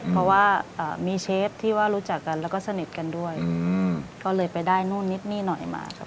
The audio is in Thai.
เพราะว่ามีเชฟที่ว่ารู้จักกันแล้วก็สนิทกันด้วยก็เลยไปได้นู่นนิดนี่หน่อยมาค่ะ